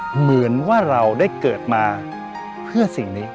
เหมือนว่าเราได้เกิดมาเพื่อสิ่งนี้